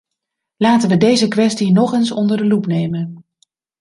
Laten we deze kwestie nog eens onder de loep nemen.